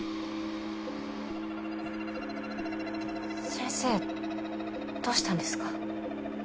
先生どうしたんですか？